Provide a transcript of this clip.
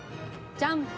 ジャン。